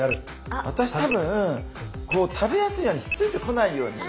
私多分こう食べやすいようにひっついてこないように。